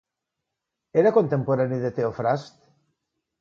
Era contemporani de Teofrast?